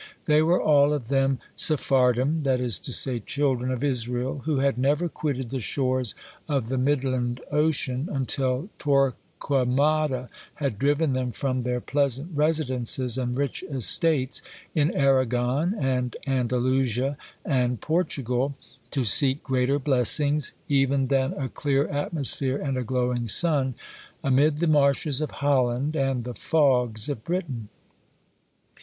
They were all of them Sephardim, that is to say, children of Israel, who had never quitted the shores of the Midland Ocean, until Torquamada had driven them from their pleasant residences and rich estates in Arragon, and Andalusia, and Portugal, to seek greater blessings, even than a clear atmosphere and a glowing sun, amid the marshes of Holland and the fogs of Britain.